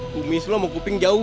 bumi semua mau kuping jauh